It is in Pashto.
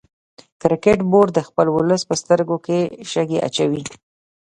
کرکټ بورډ د خپل ولس په سترګو کې شګې اچوي